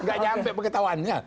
enggak nyampe pengetahuannya